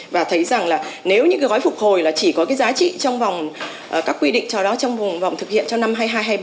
và thấy rằng là nếu những cái gói phục hồi là chỉ có cái giá trị trong vòng các quy định nào đó trong vòng thực hiện trong năm hai nghìn hai mươi ba